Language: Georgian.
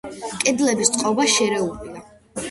კედლების წყობა შერეულია.